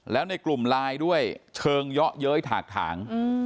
แล้วในกลุ่มไลน์ด้วยเชิงเยาะเย้ยถากถาง